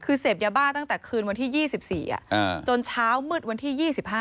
คือเสพยาบ้าตั้งแต่คืนวันที่๒๔จนเช้ามืดวันที่๒๕